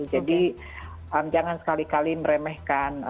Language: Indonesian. jadi jangan sekali kali meremehkan